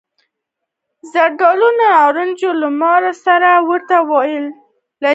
زردالو له نارنجي لمر سره ورته والی لري.